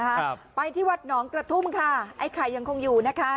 ครับไปที่วัดหนองกระทุ่มค่ะไอ้ไข่ยังคงอยู่นะคะ